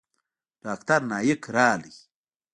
ډاکتر نايک راغى.